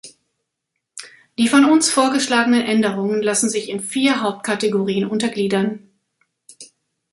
Die von uns vorgeschlagenen Änderungen lassen sich in vier Hauptkategorien untergliedern.